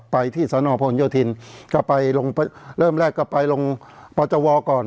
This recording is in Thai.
กลับไปที่สนพลโยธินกลับไปลงเริ่มแรกกลับไปลงปจวก่อน